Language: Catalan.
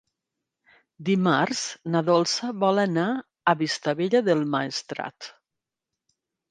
Dimarts na Dolça vol anar a Vistabella del Maestrat.